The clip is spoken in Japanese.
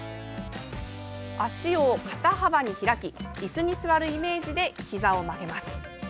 脚を肩幅に開きいすに座るイメージでひざを曲げます。